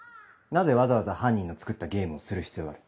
なぜわざわざ犯人の作ったゲームをする必要がある？